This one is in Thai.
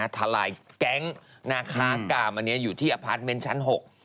ทะลายแก๊งกลางกามอยู่ที่อพาร์ทเมนชั้น๖